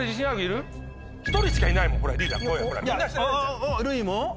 るういも？